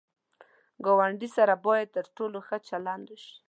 ګاونډي سره باید تر ټولو ښه چلند وشي